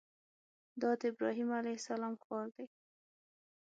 دا د ابراهیم علیه السلام ښار دی.